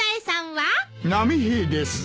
波平です。